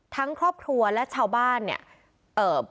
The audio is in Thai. ทั้งครอบครัวและชาวบ้านเนี่ย